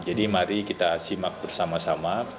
jadi mari kita simak bersama sama